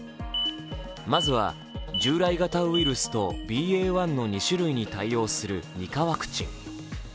まずは、従来型ウイルスとＢＡ．１の２種類に対応する２価ワクチン。